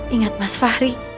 ingat mas fahri